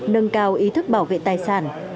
nâng cao ý thức bảo vệ tài sản